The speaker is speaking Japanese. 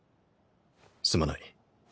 すまない。